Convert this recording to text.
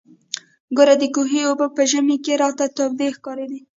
ګوره د کوهي اوبه په ژمي کښې راته تودې ښکارېږي.